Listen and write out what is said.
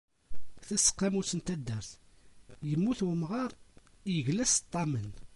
Taseqqamut n taddart: "Yemmut umɣar, yegla s ṭṭamen."